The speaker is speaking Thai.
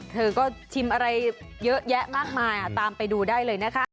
เธอก็ชิมอะไรเยอะแยะมากมายตามไปดูได้เลยนะคะ